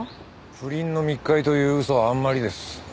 不倫の密会という嘘はあんまりです。